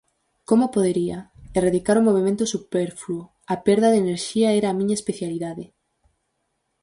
Como podería? Erradicar o movemento superfluo, a perda de enerxía era a miña especialidade.